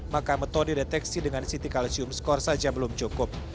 maka metode deteksi dengan ct calcium score saja belum cukup